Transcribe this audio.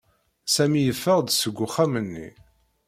Sami yeffeɣ-d seg uxxam-nni.